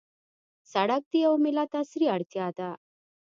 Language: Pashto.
سړک د یوه ملت عصري اړتیا ده.